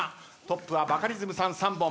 トップはバカリズムさん３本。